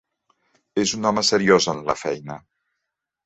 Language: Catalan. És un home seriós en la feina.